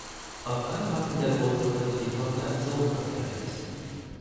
Auf Anraten der Großmutter wird die Tochter als Sohn verkleidet.